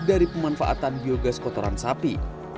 dari pemanfaatan biogas kotoran sapi